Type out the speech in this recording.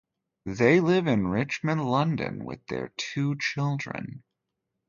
They live in Richmond, London with their two children.